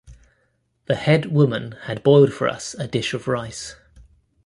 The head-woman had boiled for us a dish of rice